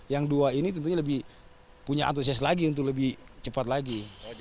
yang dua ini tentunya lebih punya antusias lagi untuk lebih cepat lagi